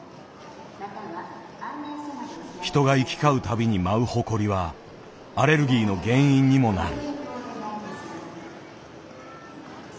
人が行き交うたびに舞うほこりはアレルギーの原因にもなる。